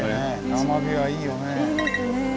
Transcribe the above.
生火はいいよね。